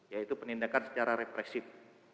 yaitu penindakan secara represif